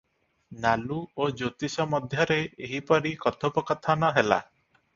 ନାଲୁ ଓ ଜ୍ୟୋତିଷ ମଧ୍ୟରେ ଏହିପରି କଥୋପକଥନ ହେଲା ।